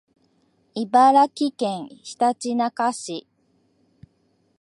茨城県ひたちなか市